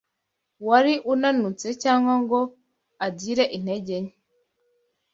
wari unanutse cyangwa ngo agire intege nke